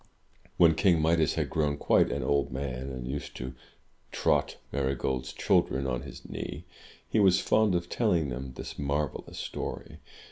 When King Midas had grown quite an old man, and used to trot Marygold's children on his knee, he was fond of telling them this marvellous story.